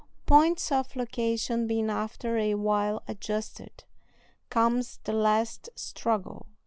Points of location being after a while adjusted, comes the last struggle.